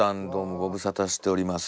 ご無沙汰してます。